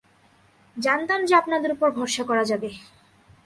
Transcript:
জানতাম যে আপনাদের উপর ভরসা করা যাবে!